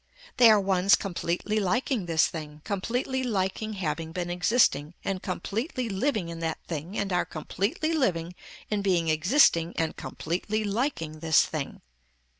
They are ones completely liking this thing completely liking having been existing and completely living in that thing and are completely living in being existing and completely liking this thing.